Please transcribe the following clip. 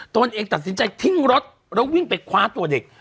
ตนเองตัดสินใจทิ้งรถแล้ววิ่งไปคว้าตัวเด็ก